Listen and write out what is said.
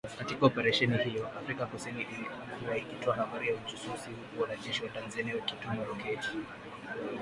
Katika Operesheni hiyo, Afrika kusini ilikuwa ikitoa habari za ujasusi huku wanajeshi wa Tanzania wakitumia roketi